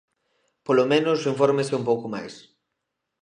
Polo menos, infórmese un pouco máis.